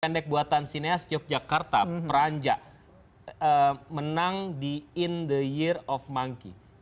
pendek buatan sineas yogyakarta peranjak menang di in the year of monkey